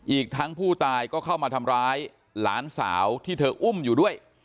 อีกทั้งผู้ตายก็เข้ามาทำร้ายหลานสาวที่เธออุ้มอยู่ด้วย